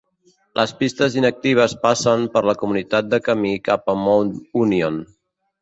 Les pistes inactives passen per la comunitat de camí cap a Mount Union.